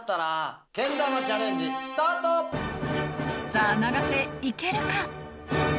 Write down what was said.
さぁ永瀬いけるか？